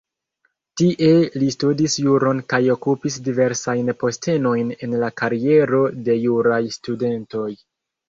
Tie li studis juron kaj okupis diversajn postenojn en la kariero de juraj studentoj.